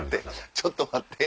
ちょっと待って。